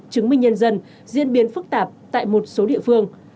chứng minh nhân dân diễn biến phức tạp tại một số địa phương